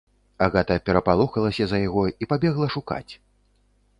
Агата перапалохалася за яго і пабегла шукаць.